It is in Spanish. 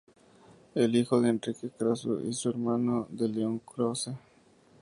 Es hijo de Enrique Krauze y hermano de León Krauze.